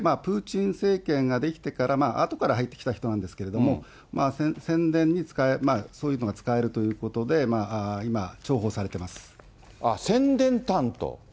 プーチン政権が出来てから、あとから入ってきた人なんですけれども、宣伝に、そういうのが使えるということで、今、宣伝担当。